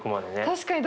確かに。